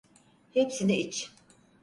Hepsini iç.